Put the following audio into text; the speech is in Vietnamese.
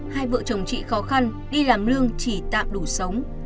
hai vợ chồng chị khó khăn đi làm lương chỉ tạm đủ sống